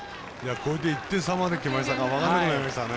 これで１点差まできましたから分からなくなりましたね。